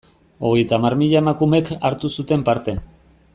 Hogeita hamar mila emakumek hartu zuten parte.